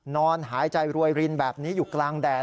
นอนหายใจรวยรินแบบนี้อยู่กลางแดด